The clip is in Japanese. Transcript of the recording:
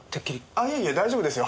いえいえ大丈夫ですよ。